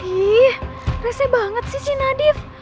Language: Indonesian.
ih rese banget sih si nadif